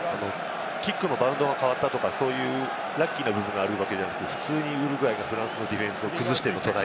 キックのバウンドが変わったとか、ラッキーなところがあるわけではなくて、普通にウルグアイがフランスのディフェンスを崩していった。